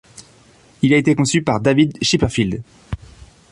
Il a été conçu par David Chipperfield.